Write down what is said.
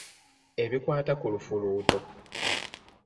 Ebikwata ku lufuluuto.